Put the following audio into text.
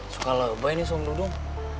suka lebay nih sob dudung